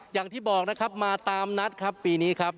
อย่างที่บอกนะครับมาตามนัดครับปีนี้ครับ